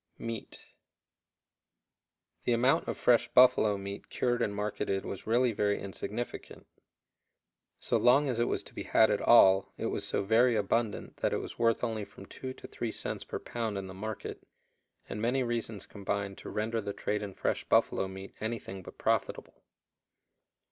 Meat. The amount of fresh buffalo meat cured and marketed was really very insignificant. So long as it was to be had at all it was so very abundant that it was worth only from 2 to 3 cents per pound in the market, and many reasons combined to render the trade in fresh buffalo meat anything but profitable.